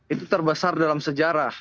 itu terbesar dalam sejarah